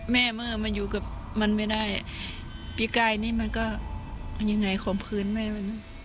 เมื่อมันอยู่กับมันไม่ได้พี่กายนี่มันก็ยังไงข่มขืนแม่มัน